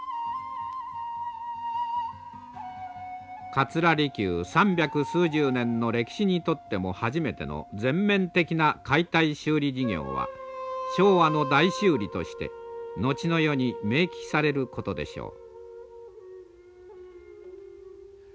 桂離宮三百数十年の歴史にとっても初めての全面的な解体修理事業は昭和の大修理として後の世に銘記されることでしょう。